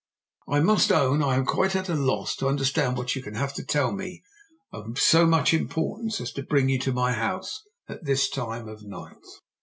"I must own I am quite at a loss to understand what you can have to tell me of so much importance as to bring you to my house at this time of night."